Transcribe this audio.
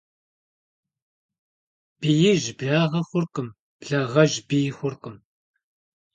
Биижь благъэ хъуркъым, благъэжь бий хъуркъым.